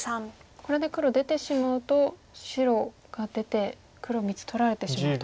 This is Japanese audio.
これで黒出てしまうと白が出て黒３つ取られてしまうと。